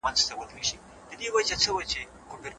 انحصار د مصرف کوونکو په زیان دی.